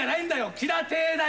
吉良邸だよ。